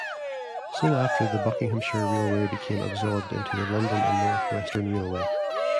Soon after the Buckinghamshire Railway became absorbed into the London and North Western Railway.